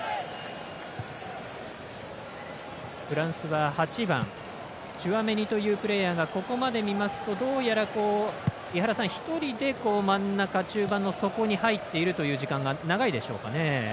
フランスは８番チュアメニというプレーヤーがここまで見ますとどうやら１人で真ん中、中盤の底に入っているという時間が長いでしょうかね。